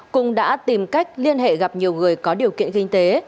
cung đã tìm cách liên hệ gặp nhiều người có điều kiện kinh tế